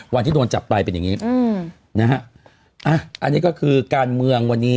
วันที่โดนจับไปเป็นอย่างงี้อืมนะฮะอ่ะอันนี้ก็คือการเมืองวันนี้